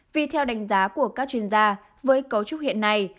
vì theo đánh giá của các chuyên gia với cấu trúc hiện nay